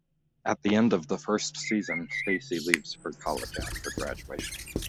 At the end of the first season, Stacy leaves for college after graduation.